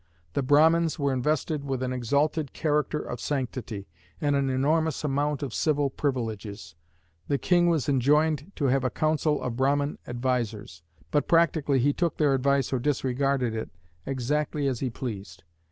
The Brahmins were invested with an exalted character of sanctity, and an enormous amount of civil privileges; the king was enjoined to have a council of Brahmin advisers; but practically he took their advice or disregarded it exactly as he pleased.